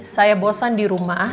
saya bosan di rumah